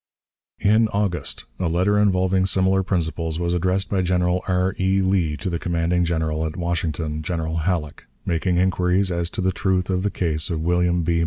In August a letter involving similar principles was addressed by General R. E. Lee to the commanding General at Washington, General Halleck, making inquiries as to the truth of the case of William B.